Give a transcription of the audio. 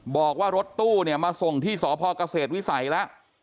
บอกว่ารถตู้เนี่ยมาส่งที่สพเกษตรวิสัยแล้ว